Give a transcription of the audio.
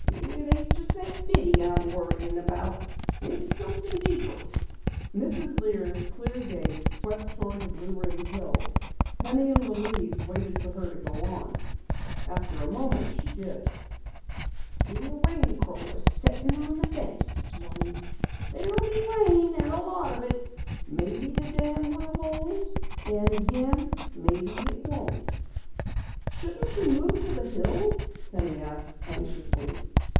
"It ain't just that biddy I'm worried about. It's somethin' deeper." Mrs. Lear's clear gaze swept toward the blue rimmed hills. Penny and Louise waited for her to go on. After a moment she did. "Seen a rain crow a settin' on the fence this morning. There'll be rain an' a lot of it. Maybe the dam will hold, an' again, maybe it won't." "Shouldn't you move to the hills?" Penny asked anxiously.